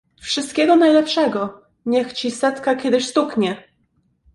Wszystkiego najlepszego, niech ci setka kiedyś stuknie!